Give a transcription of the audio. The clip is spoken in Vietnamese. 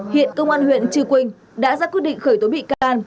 hiện công an huyện trừ quỳnh đã ra quyết định khởi tố bị can